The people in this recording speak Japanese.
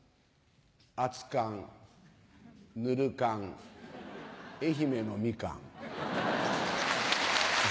熱かんぬるかん愛媛のミカン。